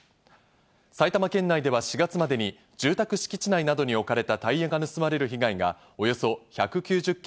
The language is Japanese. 埼玉県内では４月までに、住宅敷地内などに置かれたタイヤが盗まれる被害がおよそ１９０件